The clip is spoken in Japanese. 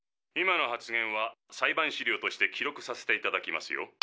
今の発言は裁判資料として記録させていただきますよ。